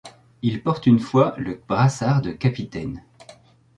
Il porte une fois le brassard de capitaine.